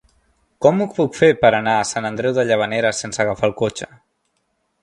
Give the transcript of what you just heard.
Com ho puc fer per anar a Sant Andreu de Llavaneres sense agafar el cotxe?